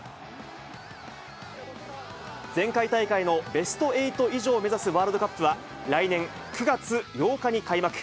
前回大会のベスト８以上を目指すワールドカップは、来年９月８日に開幕。